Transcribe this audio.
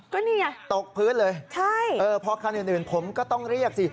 ก็นี่ไงตกพื้นเลยใช่เออพอคันอื่นผมก็ต้องเรียกสิ